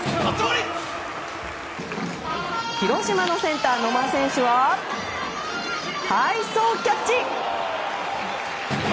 広島のセンター野間選手は背走キャッチ！